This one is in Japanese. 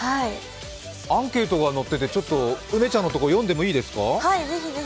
アンケートが載ってて、梅ちゃんのとこ、読んでもいいですか？